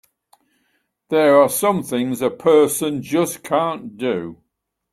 There are some things a person just can't do!